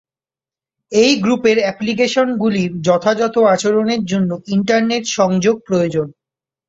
এই গ্রুপের অ্যাপ্লিকেশনগুলির যথাযথ আচরণের জন্য ইন্টারনেট সংযোগ প্রয়োজন।